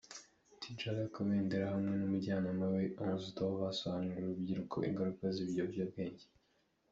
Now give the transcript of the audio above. Tidjala Kabendera hamwe n'umujyanama we Onze d'Or, basobanurira urubyiruko ingaruka z'ibiyobyabwenge.